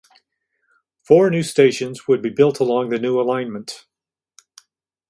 Four new stations would be built along the new alignment.